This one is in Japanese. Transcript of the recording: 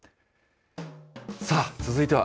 さあ、続いては。